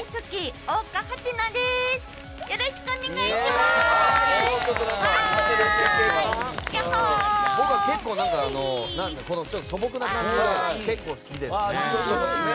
僕は結構、素朴な感じが好きですね。